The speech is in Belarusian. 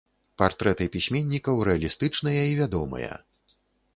Партрэты пісьменнікаў рэалістычныя і вядомыя.